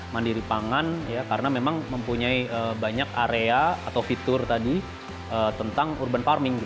mandiri pangan karena memang mempunyai banyak area atau fitur tadi tentang urban farming